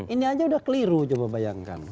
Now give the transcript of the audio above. ini aja udah keliru coba bayangkan